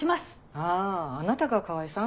あぁあなたが川合さん。